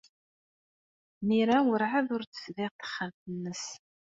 Mira werɛad ur tesbiɣ taxxamt-nnes.